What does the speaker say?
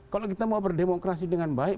kalau kita mau berdemokrasi dengan baik